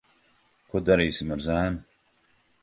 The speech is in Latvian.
Ko darīsim ar zēnu?